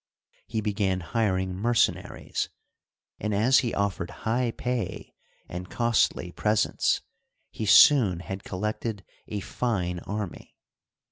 He began hiring mercenaries, and as he offered high pay and costly presents, he soon had collected a fine army.